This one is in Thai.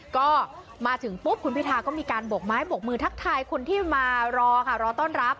ก็มาถึงปุ๊บคุณพิทาก็มีการบกไม้บกมือทักทายคนที่มารอค่ะรอต้อนรับ